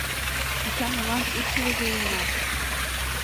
Ачан-аван икшывыже улына